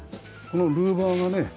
このルーバーがね